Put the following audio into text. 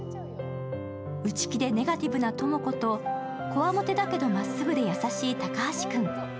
内気でネガティブな朋子とこわもてだけど真っ直ぐで優しい高橋君。